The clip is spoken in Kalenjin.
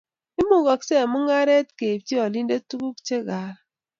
Imukoksei eng mungaret keibchi olindet tuguk che kaal